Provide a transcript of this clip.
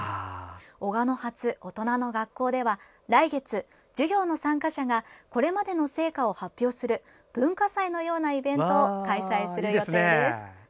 おがの発・大人の学校では、来月授業の参加者がこれまでの成果を発表する文化祭のようなイベントを開催する予定です。